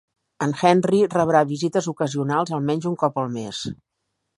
En Henry rebrà visites ocasionals almenys un cop al mes.